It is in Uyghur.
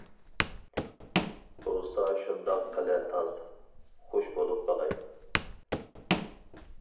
— بولسا شۇنداق قىلە تاز، خۇش بولۇپ قالاي.